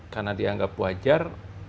karena dianggap wajar